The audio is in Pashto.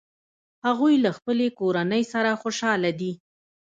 هغوی له خپلې کورنۍ سره خوشحاله دي